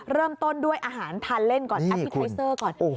เริ่มต้นด้วยอาหารทานเล่นก่อนแอปพลิเคเซอร์ก่อน